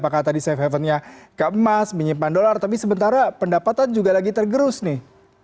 apakah tadi safe havennya ke emas menyimpan dolar tapi sementara pendapatan juga lagi tergerus nih